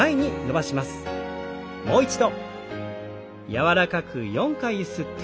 柔らかくゆすって。